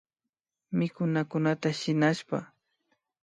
Mikunakunata shinashpa